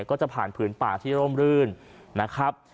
ก็จะผ่านผืนป่าที่ร่มรื่นนะครับ